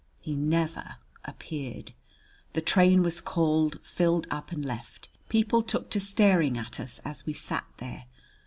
He never appeared! The train was called, filled up, and left. People took to staring at us as we sat there.